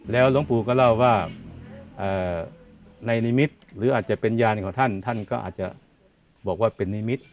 แล้วหลวงปู่ก็เล่าว่าในนิมิตรหรืออาจจะเป็นยานของท่านท่านก็อาจจะบอกว่าเป็นนิมิตร